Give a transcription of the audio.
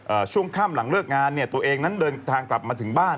ช่วงค่ำหลังเลิกงานเนี่ยตัวเองนั้นเดินทางกลับมาถึงบ้าน